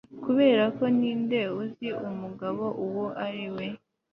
kuberako ninde uzi umugabo uwo ari we